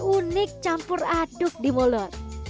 unik campur aduk di mulut